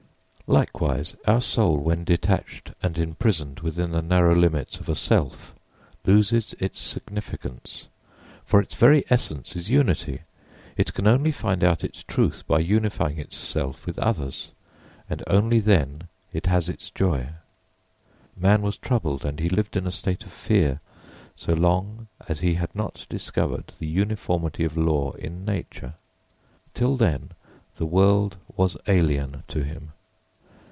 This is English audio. Likewise, our soul when detached and imprisoned within the narrow limits of a self loses its significance. For its very essence is unity. It can only find out its truth by unifying itself with others, and only then it has its joy. Man was troubled and he lived in a state of fear so long as he had not discovered the uniformity of law in nature; till then the world was alien to him.